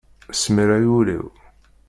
Smir ay ul-iw!